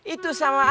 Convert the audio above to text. itu sama as saja